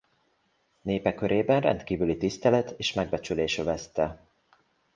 Népe körében rendkívüli tisztelet és megbecsülés övezte.